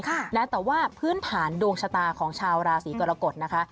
แต่ว่าพื้นฐานดวงชะตาของชาวราศีกรกฎนะคะ